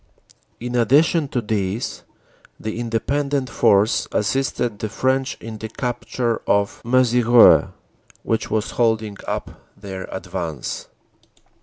In addition to these, the Independent Force assisted the French in the capture of Mezieres, which was holding up their advance.